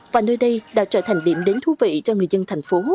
và nơi đây đã trở thành điểm đến thú vị cho người dân thành phố